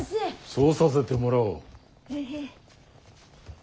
そうさせてもらおう。